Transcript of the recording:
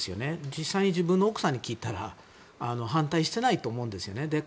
実際に自分の奥さんに聞いたら反対してないと思うんですよね。